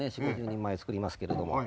人前作りますけれども。